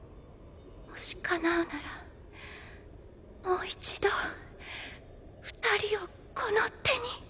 もし叶うならもう一度２人をこの手に。